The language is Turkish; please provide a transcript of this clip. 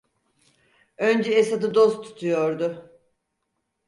Önce Esad'ı dost tutuyordu.